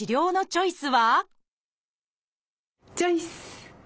チョイス！